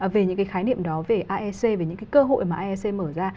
về những cái khái niệm đó về asean về những cái cơ hội mà asean mở ra